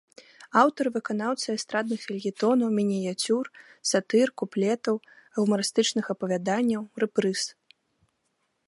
Аўтар і выканаўца эстрадных фельетонаў, мініяцюр, сатыр, куплетаў, гумарыстычных апавяданняў, рэпрыз.